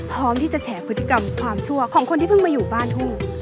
พร้อมที่จะแฉพฤติกรรมความชั่วของคนที่เพิ่งมาอยู่บ้านทุ่ง